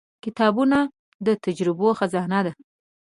• کتابونه د تجربو خزانه ده.